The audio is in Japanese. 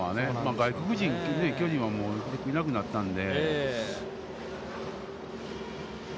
外国人、巨人はいなくなったんで。